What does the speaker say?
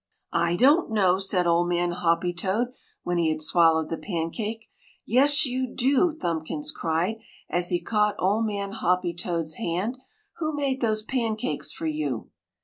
"I don't know!" said Old Man Hoppy toad when he had swallowed the pancake. "Yes, you do!" Thumbkins cried as he caught Old Man Hoppy toad's hand. "Who made those pancakes for you?"